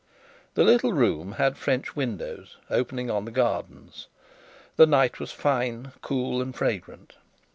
The little room had French windows opening on the gardens. The night was fine, cool, and fragrant.